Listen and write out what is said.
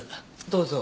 どうぞ。